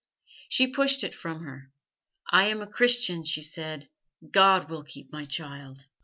"She pushed it from her. 'I am a Christian,' she said. 'God will keep my child.'